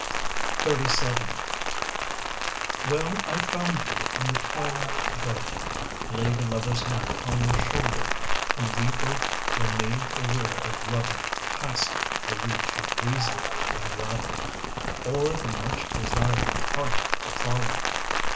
XXXVII Well I found you in the twilit garden, Laid a lover's hand upon your shoulder, And we both were made aware of loving Past the reach of reason to unravel, Or the much desiring heart to follow.